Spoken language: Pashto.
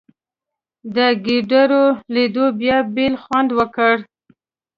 د ګېډړو لیدو بیا بېل خوند وکړ.